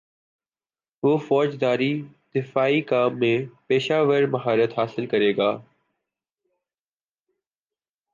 وہ فوجداری دفاعی کام میں پیشہور مہارت حاصل کرے گا